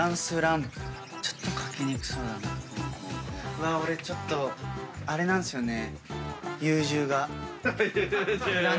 うわ俺ちょっとあれなんすよね。